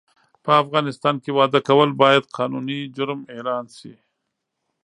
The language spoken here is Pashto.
په افغانستان کې واده کول باید قانوني جرم اعلان سي